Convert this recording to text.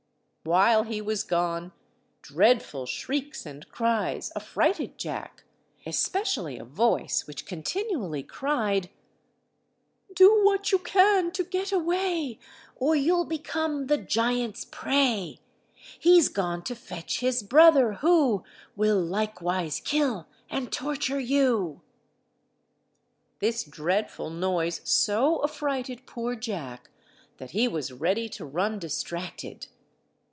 While he was gone dreadful shrieks and cries affrighted Jack, especially a voice which continually cried— "Do what you can to get away, Or you'll become the giant's prey; He's gone to fetch his brother who Will likewise kill and torture you." This dreadful noise so affrighted poor Jack, that he was ready to run distracted.